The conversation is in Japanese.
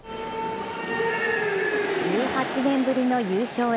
１８年ぶりの優勝へ。